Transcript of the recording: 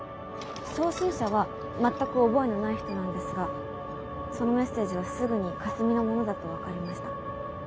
送信者は全く覚えのない人なんですがそのメッセージはすぐにかすみのものだと分かりました。